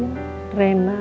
allemaal mendalam buddha